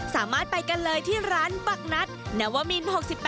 สามารถไปกันเลยที่ร้านบักนัดนวมิน๖๘